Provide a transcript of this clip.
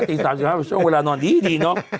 ตี๓๕ช่วงเวลานอนดีเนอะ